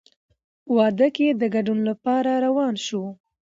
واده کې د ګډون لپاره روان شوو.